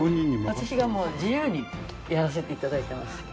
私がもう自由にやらせて頂いてます。